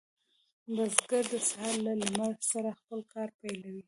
بزګر د سهار له لمر سره خپل کار پیلوي.